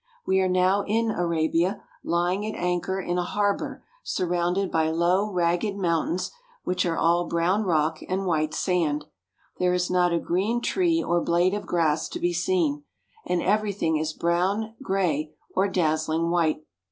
We are now in Arabia, lying at anchor in a harbor, surrounded by low, ragged mountains which are all brown rock and white sand. There is not a green tree or blade of grass to be seen, and everything is brown, gray, or dazzling white.